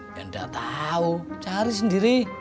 ganda tau cari sendiri